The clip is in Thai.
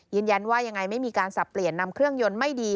ยืนยันว่ายังไงไม่มีการสับเปลี่ยนนำเครื่องยนต์ไม่ดี